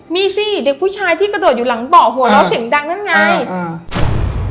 มีสิเด็กผู้ชายที่กระโดดอยู่หลังเบาะหัวเราะเสียงดังนั่นไงอ่า